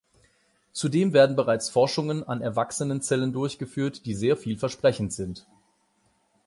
Zudem werden bereits Forschungen an Erwachsenenzellen durchgeführt, die sehr viel versprechend sind.